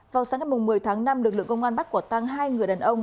vào sáng ngày một mươi tháng năm lực lượng công an bắt quả tăng hai người đàn ông